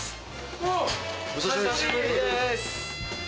お久しぶりです！